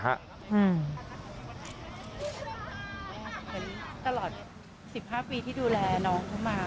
เหมือนตลอด๑๕ปีที่ดูแลน้องเขามา